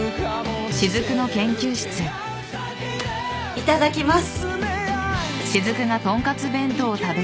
いただきます。